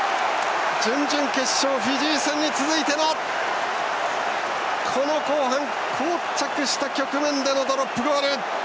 準々決勝、フィジー戦に続いてのこの後半、こう着した局面でのドロップゴール。